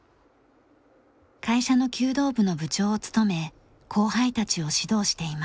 会社の弓道部の部長を務め後輩たちを指導しています。